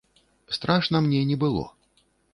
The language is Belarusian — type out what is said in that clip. Страшна мне не было.